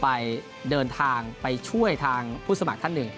ไปเดินทางไปช่วยทางผู้สมัครท่านหนึ่ง